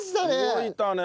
動いたね。